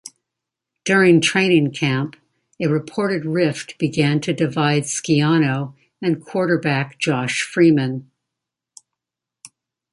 During training camp, a reported rift began to divide Schiano and quarterback Josh Freeman.